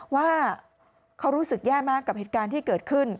ว่าเขารู้สึกแย่มากกับเหตุการณ์ที่เกิดขึ้น